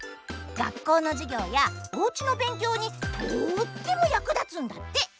学校の授業やおうちの勉強にとっても役立つんだって！